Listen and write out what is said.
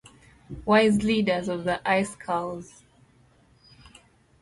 Wise leaders of the Icecarls.